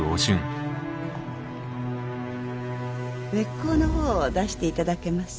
べっ甲のほうを出して頂けます？